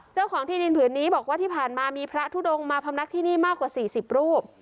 เจ้าของที่ดินผืนนี้บอกว่าที่ผ่านมามีพระทุดงมาพำนักที่นี่มากกว่า๔๐รูป